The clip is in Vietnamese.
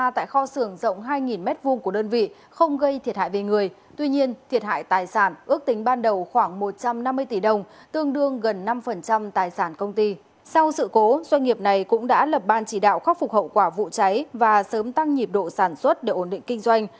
sau sự cố doanh nghiệp này cũng đã lập ban chỉ đạo khắc phục hậu quả vụ cháy và sớm tăng nhịp độ sản xuất để ổn định kinh doanh